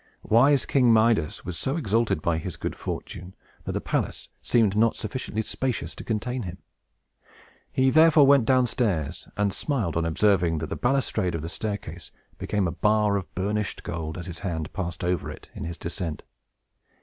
Wise King Midas was so exalted by his good fortune, that the palace seemed not sufficiently spacious to contain him. He therefore went downstairs, and smiled, on observing that the balustrade of the staircase became a bar of burnished gold, as his hand passed over it, in his descent.